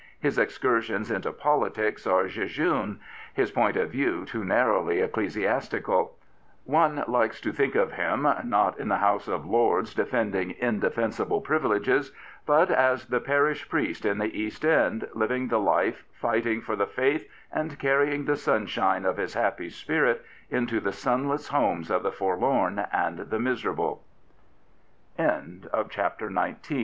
His excursions into politics are jejune, his point of view too narrowly ecclesiastical. One likes to think of him not in the House of Lords defending indefensible privileges, but as the parish priest in the East End, living the life, fighting for the faith, and carrying the sunshine of his happy spirit into the sunless homes of the forlorn and t